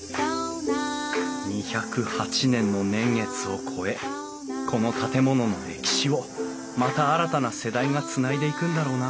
２０８年の年月を超えこの建物の歴史をまた新たな世代がつないでいくんだろうな